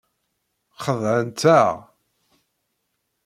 Xedɛent-aɣ.